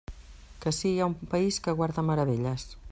Que ací hi ha un país que guarda meravelles.